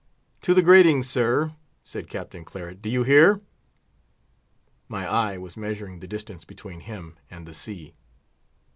"To the gratings, sir!" said Captain Claret; "do you hear?" My eye was measuring the distance between him and the sea.